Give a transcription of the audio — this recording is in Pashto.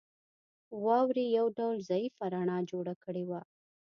واورې یو ډول ضعیفه رڼا جوړه کړې وه